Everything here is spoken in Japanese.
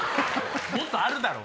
もっとあるだろ。